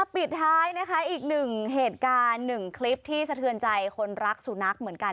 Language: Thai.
ปิดท้ายอีก๑เหตุการณ์๑คลิปที่สะเทือนใจคนรักสูนักเหมือนกัน